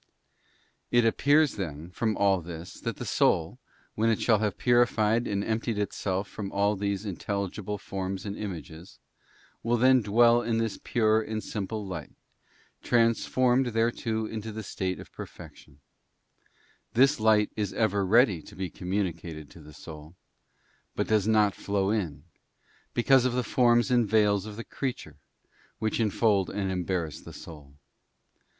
it appears, then, from all this that the soul, when it shall "a forms and images, will then dwell in this pure and simple light, transformed thereto in the state of perfection. This light is ever ready to be communicated to the soul, but does 'not flow in, because of the forms and veils of the creature which infold and embarrass the soul.